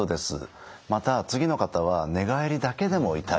また次の方は寝返りだけでも痛い。